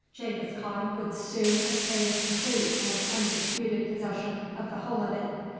Genghis Khan would soon obtain complete and undisputed possession of the whole of it.